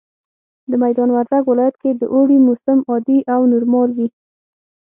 د ميدان وردګ ولايت کي د اوړي موسم عادي او نورمال وي